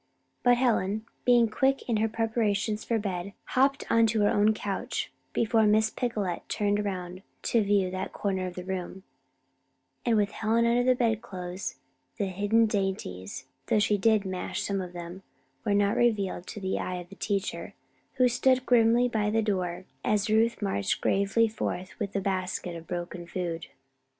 But Helen, being quick in her preparations for bed, hopped into her own couch before Miss Picolet turned around to view that corner of the room, and with Helen under the bedclothes the hidden dainties (though she did mash some of them) were not revealed to the eye of the teacher, who stood grimly by the door as Ruth marched gravely forth with the basket of broken food.